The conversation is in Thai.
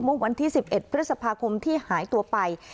เมื่อวันที่๑๑พฤษภาคมที่หายตัวไป